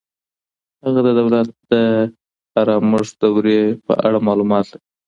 هغه د دولت د آرامښت دورې په اړه معلومات لري.